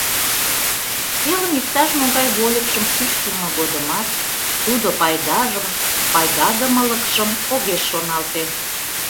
Телым иктаж-могай вольыкшым шӱшкылмӧ годымат тудо пайдажым, пайдадымылыкшым огеш шоналте.